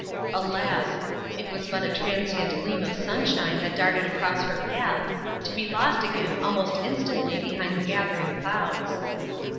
Alas! it was but a transient gleam of sunshine that darted across her path, to be lost again almost instantly behind the gathering clouds.